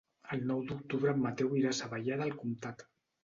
El nou d'octubre en Mateu irà a Savallà del Comtat.